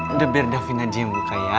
udah biar davin aja yang buka ya